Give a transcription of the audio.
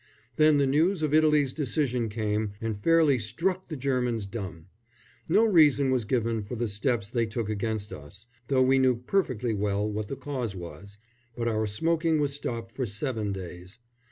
Then the news of Italy's decision came and fairly struck the Germans dumb. No reason was given for the steps they took against us though we knew perfectly well what the cause was but our smoking was stopped for seven days.